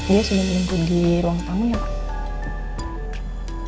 dia sudah menunggu di ruang tamunya pak